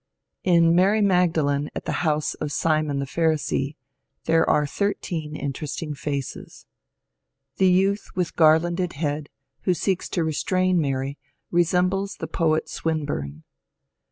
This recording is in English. In ^' Mary Magdalene at the house of Simon the Pharisee," there are thirteen interesting faces. The youth with garlanded head who seeks to restrain Mary resembles the poet Swin burne.